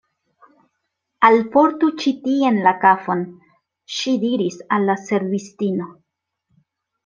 Alportu ĉi tien la kafon, ŝi diris al la servistino.